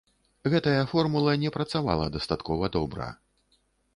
Гэтая формула не працавала дастаткова добра.